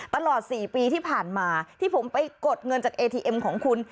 ตลอด๔ปีที่ผ่านมาที่ผมไปกดเงินจากเอทีเอ็มของคุณ